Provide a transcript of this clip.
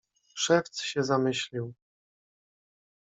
"Szewc się zamyślił."